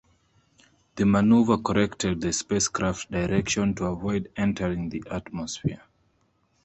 The maneuver corrected the spacecraft direction to avoid entering the atmosphere.